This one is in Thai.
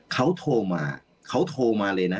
เขาโทรมาเขาโทรมาเลยนะ